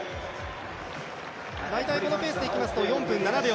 大体、このペースでいきますと４分７秒。